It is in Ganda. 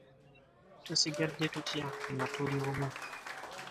Tusigadde tutya nga tuli bumu?